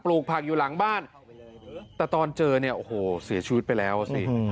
ลูกผักอยู่หลังบ้านแต่ตอนเจอเนี่ยโอ้โหเสียชีวิตไปแล้วอ่ะสิ